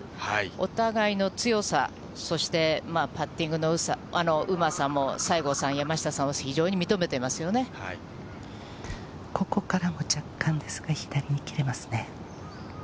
お互いの強さ、そしてパッティングのうまさも、西郷さん、ここからも若干ですが、左に切れますね。